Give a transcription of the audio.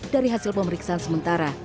dari hasil pemeriksaan sementara